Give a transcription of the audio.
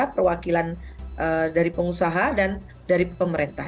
perwakilan dari pengusaha dan dari pemerintah